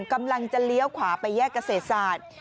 กำลังจะเลี้ยวขวาไปแยกเกษสาส